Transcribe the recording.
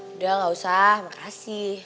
udah enggak usah makasih